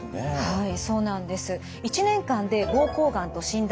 はい。